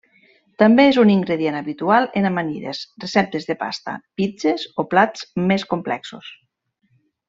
També és un ingredient habitual en amanides, receptes de pasta, pizzes o plats més complexos.